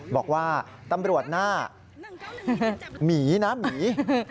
บอกว่าตำรวจหน้าหมีนะหมี